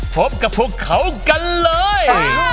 พบกับพวกเขากันเลย